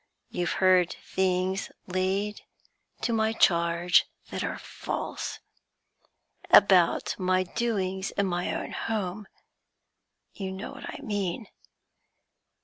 You've heard things laid to my charge that are false about my doings in my own home you know what I mean.